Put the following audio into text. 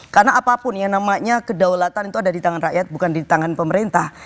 karena apapun ya namanya kedaulatan itu ada di tangan rakyat bukan di tangan pemerintah